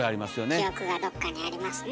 記憶がどっかにありますね。